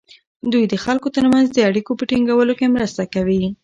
دوی د خلکو ترمنځ د اړیکو په ټینګولو کې مرسته کوي.